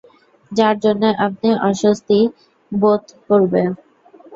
যার জন্যে আপনি অস্বস্তি বোধ করবেন।